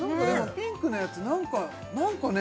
ピンクのやつ何か何かね